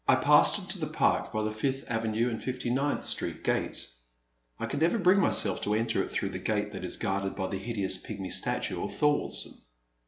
{PASSED into the Park by the Fifth Avenue and 59th Street gate ; I could never bring myself to enter it through the gate that is guarded by the hideous pigmy statue of Thor waldsen.